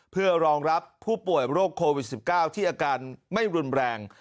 เพื่อรองรับผู้ป่วยโรคโควิด๑๙ที่อาการไม่รุนแรง